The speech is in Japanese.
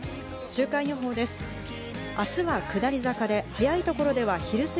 週間予報です。